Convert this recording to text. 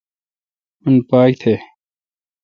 اون پاک تھ۔